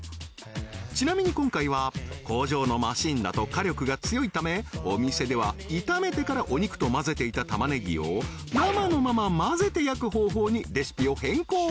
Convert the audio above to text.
ちなみに今回は工場のマシンだと火力が強いためお店では炒めてからお肉と混ぜていた玉ねぎを生のまま混ぜて焼く方法にレシピを変更